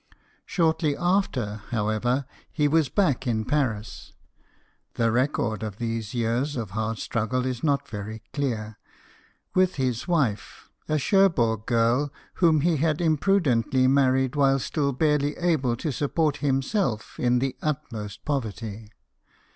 Shortly after, however, he was back in Paris the record of these years of hard struggle is not very clear with his wife, a Cherbourg girl whom he had imprudently married while still barely able to support him self in the utmost poverty.